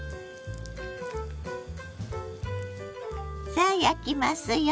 さあ焼きますよ。